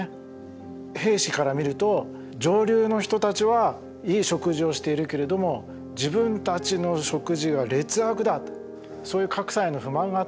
兵士から見ると上流の人たちはいい食事をしているけれども自分たちの食事は劣悪だとそういう格差への不満があったんですね。